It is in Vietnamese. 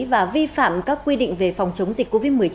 và vi phạm các quy định về phòng chống dịch covid một mươi chín